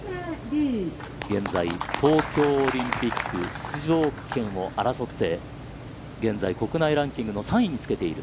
現在東京オリンピック出場権を争って、現在国内ランキングの３位につけている。